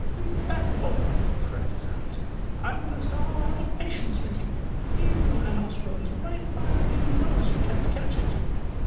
"You bad boy!" cried his aunt. "I'm just all out of patience with you. Even when a mouse runs right by under your nose you can't catch it."